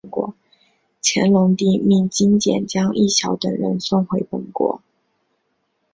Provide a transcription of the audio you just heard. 乾隆帝命金简将益晓等人送回本国。